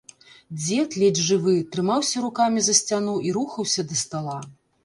Дзед, ледзь жывы, трымаўся рукамі за сцяну і рухаўся да стала.